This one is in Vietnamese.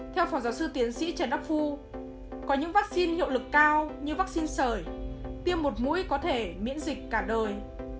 theo phổ giáo sư tiến sĩ trần đắc phu có những vắc xin hiệu lực cao như vắc xin sởi tiêm một mũi có thể miễn dịch cả đời